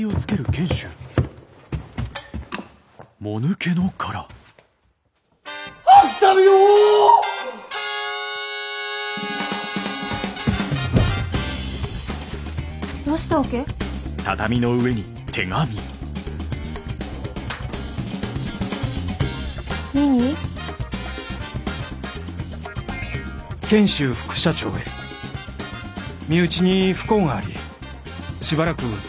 「賢秀副社長へ身内に不幸がありしばらく東京を離れる。